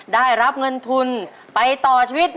ได้รับเงินทุนไปต่อชีวิต